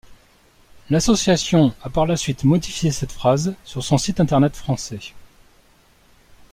L'association a par la suite modifié cette phrase sur son site internet français.